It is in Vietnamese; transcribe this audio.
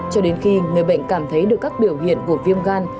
cho đến khi người bệnh cảm thấy được các biểu hiện của viêm gan